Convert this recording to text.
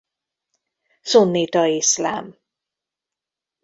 Szunnita iszlám.